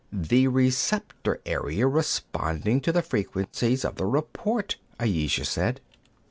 "The receptor area responding to the frequencies of the report," Ayesha said.